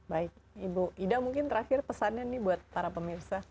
baik ibu ida mungkin terakhir pesannya nih buat para pemirsa